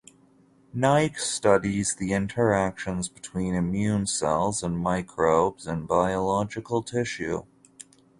Naik studies the interactions between immune cells and microbes in biological tissue.